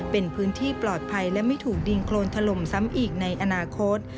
เป็นพื้นที่ปลอดภัยและไม่ถูกดินโครนถล่มซ้ำอีกในอนาคต